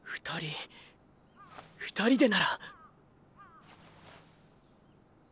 ２人２人でなら！